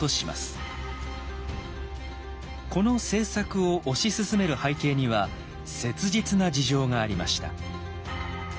この政策を推し進める背景には切実な事情がありました。